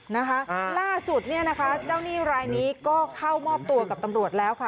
นะคะล่าสุดเนี่ยนะคะเจ้าหนี้รายนี้ก็เข้ามอบตัวกับตำรวจแล้วค่ะ